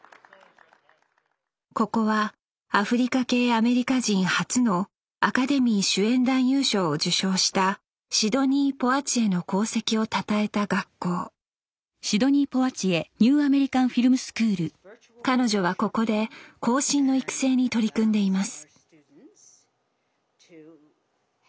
ここはアフリカ系アメリカ人初のアカデミー主演男優賞を受賞したシドニ・ーポワチエの功績をたたえた学校彼女はここで後進の育成に取り組んでいます